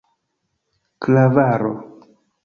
klavaro